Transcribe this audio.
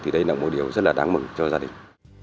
thì đây là một điều rất là đáng mừng cho gia đình